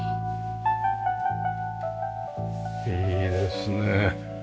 いいですね。